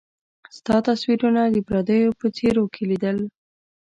ستا تصويرونه د پرديو په څيرو کي ليدل